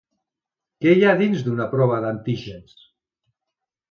Què hi ha dins d’una prova d’antígens?